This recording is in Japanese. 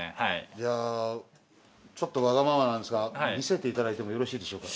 じゃあちょっとわがままなんですが見せて頂いてもよろしいでしょうか？